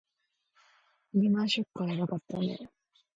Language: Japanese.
リーマンショックはやばかったね